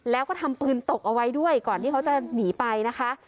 แล้วก็ทำปืนตกเอาไว้ด้วยก่อนที่เขาจะหนีไปนะคะ